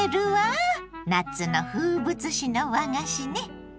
夏の風物詩の和菓子ね。